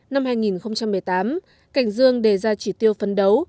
năm hai nghìn một mươi tám cảnh dương đề ra chỉ tiêu phấn đấu